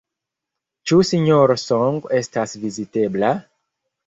Ĉu Sinjoro Song estas vizitebla?